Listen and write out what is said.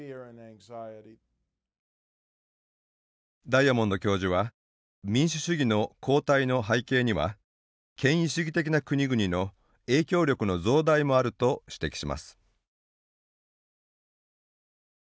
ダイアモンド教授は民主主義の後退の背景には権威主義的な国々の影響力の増大もあると指摘します。